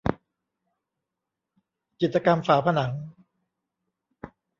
จิตกรรมฝาผนัง